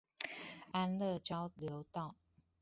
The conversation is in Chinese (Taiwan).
安樂交流道